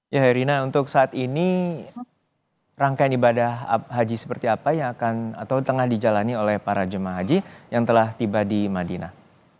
ya herina untuk saat ini rangkaian ibadah haji seperti apa yang akan atau tengah dijalani oleh para jemaah haji yang telah tiba di madinah